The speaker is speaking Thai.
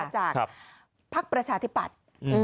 จากภักดิ์ประชาธิปัตย์